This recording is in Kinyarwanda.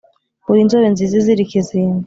uri nzobe nziza izira ikizinga